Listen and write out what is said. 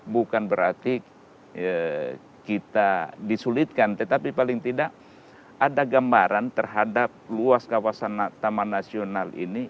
bukan berarti kita disulitkan tetapi paling tidak ada gambaran terhadap luas kawasan taman nasional ini